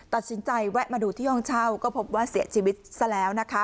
ตัดสินใจแวะมาดูที่ห้องเช่าก็พบว่าเสียชีวิตซะแล้วนะคะ